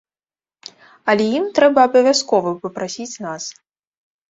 Але ім трэба абавязкова папрасіць нас.